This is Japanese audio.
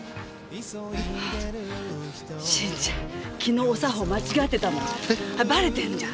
はぁ新ちゃん昨日お作法間違えてたのばれてんじゃん。